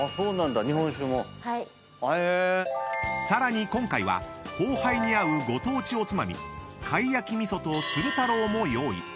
［さらに今回は豊盃に合うご当地おつまみ貝焼き味噌とつる太郎も用意］